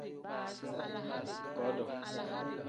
Godo.